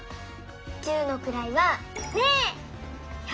十のくらいは「０」。